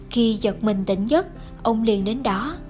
khi giật mình tỉnh giấc ông liền đến đó